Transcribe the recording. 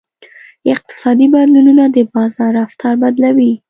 اقتصادي بدلونونه د بازار رفتار بدلوي.